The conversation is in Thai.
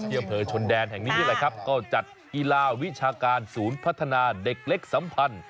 อำเภอชนแดนแห่งนี้นี่แหละครับก็จัดกีฬาวิชาการศูนย์พัฒนาเด็กเล็กสัมพันธ์